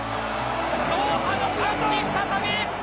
ドーハの歓喜再び！